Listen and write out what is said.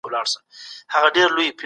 که چیرې کار ونه سي حقیقي عاید نه زیاتیږي.